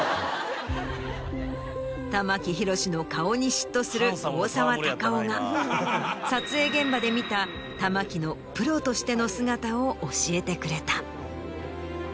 玉木宏の顔に嫉妬する大沢たかおが撮影現場で見た玉木のプロとしての姿を教えてくれた。